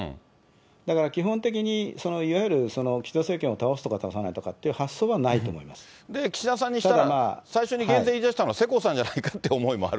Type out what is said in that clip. だから基本的に、いわゆる岸田政権を倒すとか倒さないとかって発想はないと思いま岸田さんにしたら、最初に減税言いだしたの世耕さんじゃないかっていう思いもあると。